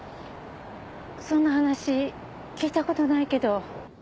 そんな話聞いたことないけど。